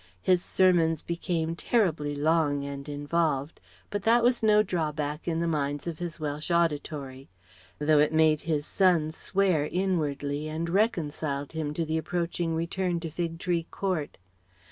His sermons became terribly long and involved, but that was no drawback in the minds of his Welsh auditory; though it made his son swear inwardly and reconciled him to the approaching return to Fig Tree Court.